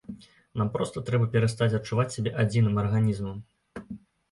Нам проста трэба перастаць адчуваць сябе адзіным арганізмам.